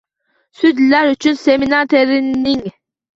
Sudyalar uchun seminar-treningng